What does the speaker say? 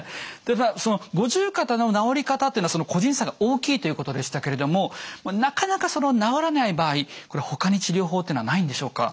その五十肩の治り方っていうのは個人差が大きいということでしたけれどもなかなか治らない場合これほかに治療法っていうのはないんでしょうか？